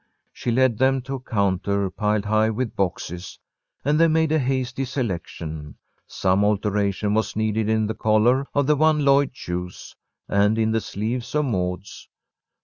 She led them to a counter piled high with boxes, and they made a hasty selection. Some alteration was needed in the collar of the one Lloyd chose, and in the sleeves of Maud's.